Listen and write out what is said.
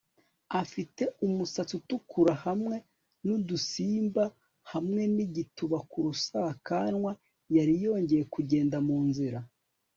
afite umusatsi utukura hamwe nudusimba hamwe nigituba ku rusakanwa, yari yongeye kugenda mu nzira